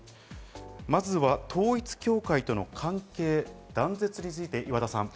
まずは統一教会との関係断絶について岩田さん。